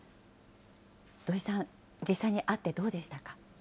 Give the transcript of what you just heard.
土井さん、実際に会ってどうでしたか？